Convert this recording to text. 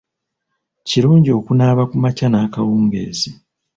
Kirungi okunaaba ku makya n'akawungeezi.